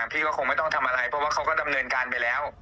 พี่ก็คงไม่ต้องทำอะไรเพราะว่าเขาก็ดำเนินการไปแล้ว